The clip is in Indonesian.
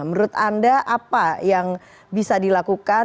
menurut anda apa yang bisa dilakukan